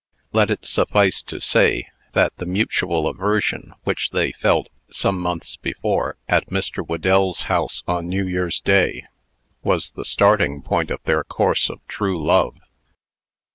Let it suffice to say, that the mutual aversion which they felt, some months before, at Mr. Whedell's house, on New Year's day, was the starting point in their course of true love.